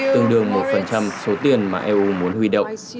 tương đương một phần trăm số tiền mà eu muốn huy động